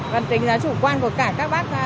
và đánh giá chủ quan của cả các bác